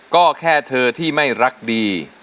ก็แค่เธอที่ไม่รักดี